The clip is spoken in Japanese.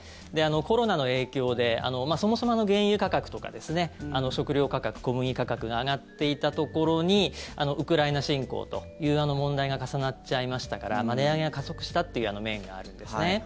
コロナの影響でそもそも、原油価格とか食料価格小麦価格が上がっていたところにウクライナ侵攻という問題が重なっちゃいましたから値上げが加速したという面があるんですね。